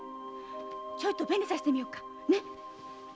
ちょいと紅さしてみようか？